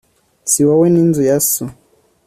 si wowe n'inzu ya so